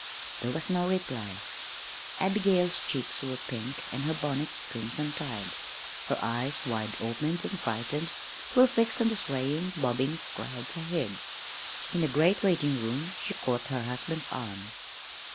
There was no reply. Abigail's cheeks were pink and her bonnet strings untied. Her eyes, wide opened and frightened, were fixed on the swaying, bobbing crowds ahead. In the great waiting room she caught her husband's arm.